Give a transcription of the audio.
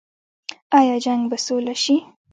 آیا جنګ به سوله شي؟